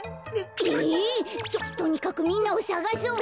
えっ！？ととにかくみんなをさがそう。